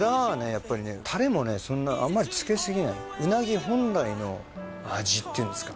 やっぱりねタレもねあんまりつけすぎないうなぎ本来の味っていうんですか